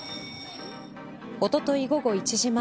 おととい午後１時前